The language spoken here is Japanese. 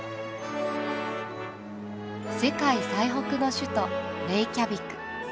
世界最北の首都レイキャビク。